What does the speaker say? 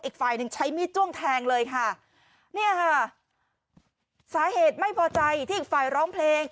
อีกฝ่ายหนึ่งใช้มีดจ้วงแทงเลยค่ะเนี่ยค่ะสาเหตุไม่พอใจที่อีกฝ่ายร้องเพลง